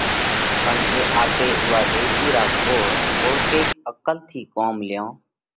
پڻ جي آپي اُوئا ڏوشِي را گھوڙ، ٿوڙڪئِيڪ عقل ٿِي ڪوم ليون